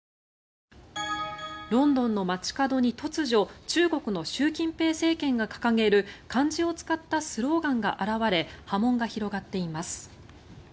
ロンドンの街角に突如中国の習近平政権が掲げる漢字を使ったスローガンが現れ波紋が広がっています。